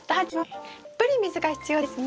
たっぷり水が必要ですね。